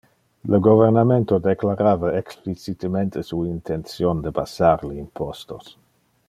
Le governamento declarava explicitemente su intention de bassar le impostos.